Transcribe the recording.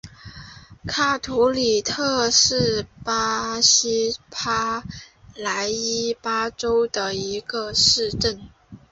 卡图里特是巴西帕拉伊巴州的一个市镇。